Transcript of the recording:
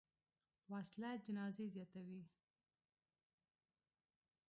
وسله جنازې زیاتوي